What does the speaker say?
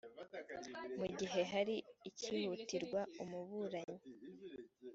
mu gihe hari icyihutirwa umuburanyi